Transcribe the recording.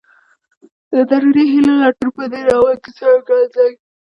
د دروني هیلو لټون په دې ناول کې څرګند دی.